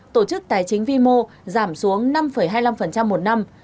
tổ chức tài chính vimo giảm xuống năm hai mươi năm một năm